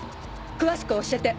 詳しく教えて。